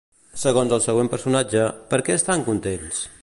Segons el següent personatge, per què estan contents?